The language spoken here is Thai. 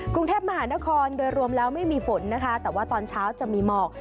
กรุงเทพมหานครโดยรวมแล้วไม่มีฝนนะคะแต่ว่าตอนเช้าจะมีหมอก